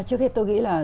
trước hết tôi nghĩ là